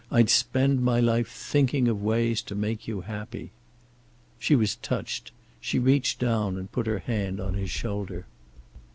"I'd spend my life thinking of ways to make you happy." She was touched. She reached down and put her hand on his shoulder.